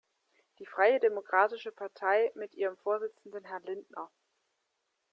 Die freie Demokratische Partei mit ihrem Vorsitzenden Herrn Lindner.